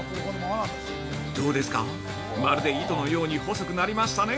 どうですか、まるで糸のように細くなりましたね。